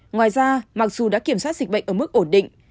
ngoài ra mặc dù đã kiểm soát dịch bệnh ở mức ổn định